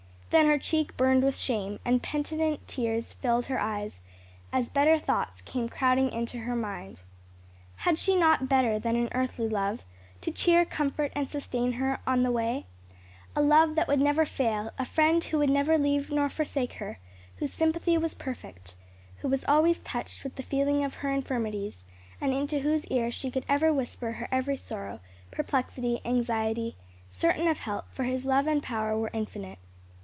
Then her cheek burned with shame, and penitent tears filled her eyes, as better thoughts came crowding into her mind. Had she not a better than an earthly love to cheer, comfort, and sustain her on her way? a love that would never fail, a Friend who would never leave nor forsake her; whose sympathy was perfect; who was always touched with the feeling of her infirmities, and into whose ear she could ever whisper her every sorrow, perplexity, anxiety, certain of help; for His love and power were infinite.